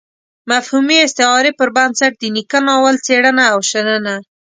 مفهومي استعارې پر بنسټ د نيکه ناول څېړنه او شننه.